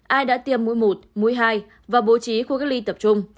ai đã tiêm mũi một mũi hai và bố trí khu cách ly tập trung